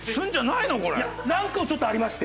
いやランクもちょっとありまして。